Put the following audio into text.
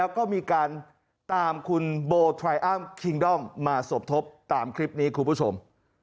ก็มีการตามคุณโบไทรอัมคิงด้อมมาสมทบตามคลิปนี้คุณผู้ชม